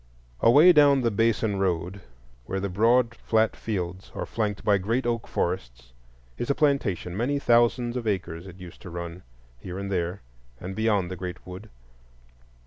Away down the Baysan road, where the broad flat fields are flanked by great oak forests, is a plantation; many thousands of acres it used to run, here and there, and beyond the great wood.